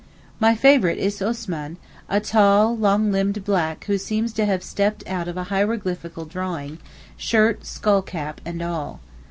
My favourite is Osman, a tall, long limbed black who seems to have stepped out of a hieroglyphical drawing, shirt, skull cap and all.